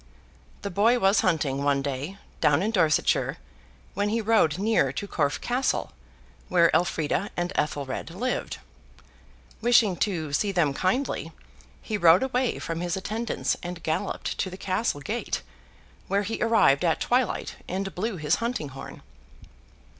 The boy was hunting, one day, down in Dorsetshire, when he rode near to Corfe Castle, where Elfrida and Ethelred lived. Wishing to see them kindly, he rode away from his attendants and galloped to the castle gate, where he arrived at twilight, and blew his hunting horn.